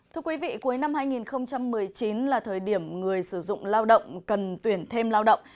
thưa quý vị cuối năm hai nghìn một mươi chín là thời điểm người sử dụng lao động cần tuyển thêm lao động